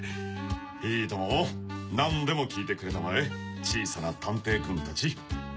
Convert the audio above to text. いいとも何でも聞いてくれたまえ小さな探偵くんたち。